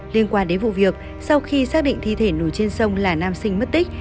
liên quan đến vụ việc sau khi xác định thi thể nổi trên sông là nam sinh mất tích